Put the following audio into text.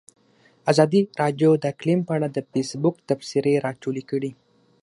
ازادي راډیو د اقلیم په اړه د فیسبوک تبصرې راټولې کړي.